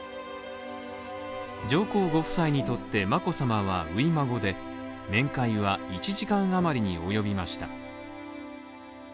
上皇ご夫妻にとって眞子さまは初孫で面会は１時間余りに及びました。